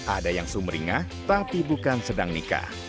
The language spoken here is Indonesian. ada yang sumeringah tapi bukan sedang nikah